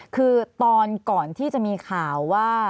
คือตอนก่อนที่จะมีข่าวว่า